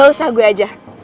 gak usah gue aja